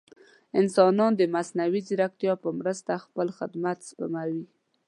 انسانان د مصنوعي ځیرکتیا په مرسته خپل وخت سپموي.